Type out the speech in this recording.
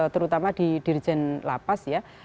terutama di dirjen lapas ya